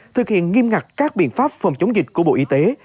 thực hiện nghiêm ngặt các biện pháp phòng chống dịch của bộ y tế